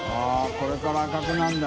これから赤くなるんだ。